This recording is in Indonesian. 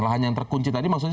lahan yang terkunci tadi maksudnya